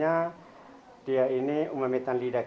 yakni rumah adat umang metan lidak